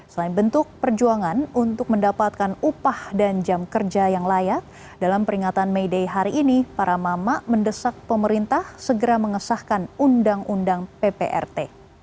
selain bentuk perjuangan untuk mendapatkan upah dan jam kerja yang layak dalam peringatan may day hari ini para mama mendesak pemerintah segera mengesahkan undang undang pprt